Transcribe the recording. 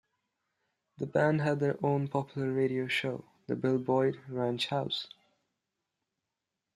The band had their own popular radio show, The Bill Boyd Ranch House.